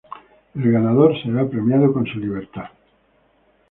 El ganador será premiado con su libertad.